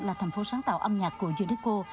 là thành phố sáng tạo âm nhạc của unesco